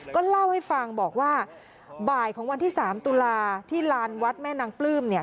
ก็เล่าให้ฟังบอกว่าบ่ายของวันที่๓ตุลาที่ลานวัดแม่นางปลื้มเนี่ย